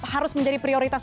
harus menjadi prioritas